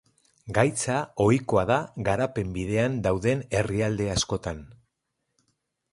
Gaitza ohikoa da garapen bidean dauden herrialde askotan.